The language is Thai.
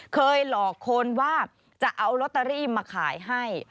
เคยหลอกคนว่าจะเอาลอตเตอรี่มาขายให้